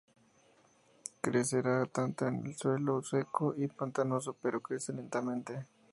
Crecerá tanto en suelo seco y pantanoso, pero crece lentamente.